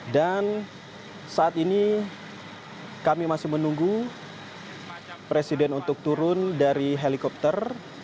dan saat ini kami masih menunggu presiden untuk turun dari helikopter